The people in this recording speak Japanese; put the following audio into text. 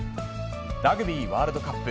ラグビーワールドカップ。